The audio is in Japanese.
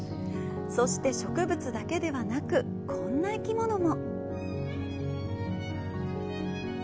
そして、植物だけではなく、こんな生き物も。